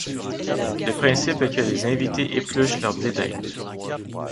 Le principe est que les invités épluchent leur blé d'Inde.